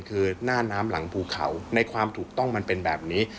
คือหน้าน้ำหลังภูเขาในความถูกต้องมันเป็นแบบนี้